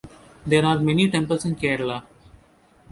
There are many temples in Kerala.